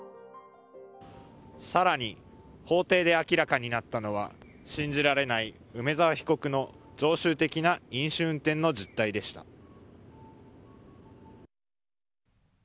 更に法廷で明らかになったのは信じられない梅沢被告の常習的な飲酒運転の実態でした。